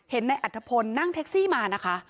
เห็นนายอัตภพลนั่งแท็กซี่มานะคะ